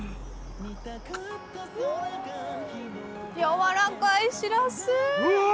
やわらかいしらす。